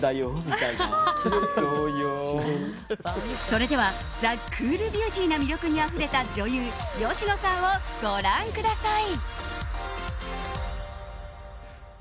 それではザ・クールビューティーな魅力にあふれた女優芳野さんをご覧ください。